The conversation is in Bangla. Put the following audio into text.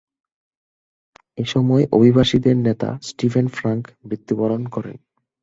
এসময় অভিবাসীদের নেতা স্টিফেন ফ্রাঙ্ক মৃত্যুবরণ করেন।